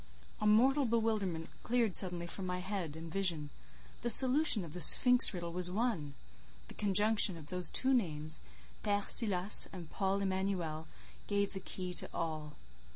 A mortal bewilderment cleared suddenly from my head and vision; the solution of the Sphinx riddle was won; the conjunction of those two names, Père Silas and Paul Emanuel, gave the key to all.